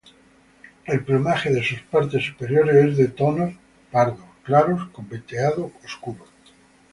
El plumaje de sus partes superiores es de tonos pardos claros con veteado oscuro.